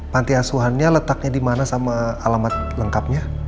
panti asuhannya letaknya dimana sama alamat lengkapnya